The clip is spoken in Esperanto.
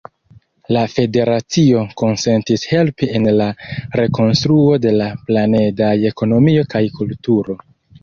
La federacio konsentis helpi en la rekonstruo de la planedaj ekonomio kaj kulturo.